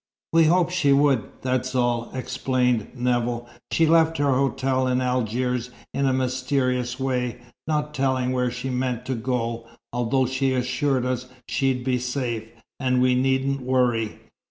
"We hoped she would, that's all," explained Nevill. "She's left her hotel in Algiers in a mysterious way, not telling where she meant to go, although she assured us she'd be safe, and we needn't worry.